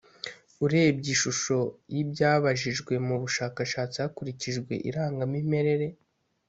urebye ishusho yibyabajijwe mu bushakashatsi hakurikijwe irangamimerere